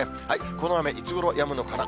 この雨、いつごろやむのかな。